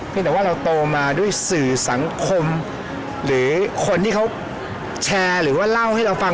แต่ว่าเราโตมาด้วยสื่อสังคมหรือคนที่เขาแชร์หรือว่าเล่าให้เราฟัง